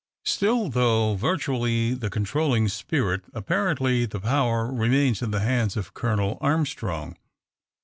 Still, though virtually the controlling spirit, apparently the power remains in the hands of Colonel Armstrong.